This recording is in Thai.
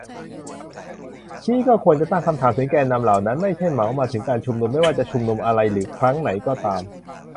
พี่ก็ควรจะตั้งคำถามถึงแกนนำเหล่านั้น ไม่ใช่เหมามาถึงการชุมนุม ไม่ว่าจะชุมนุมอะไรหรือครั้งไหนก็ตาม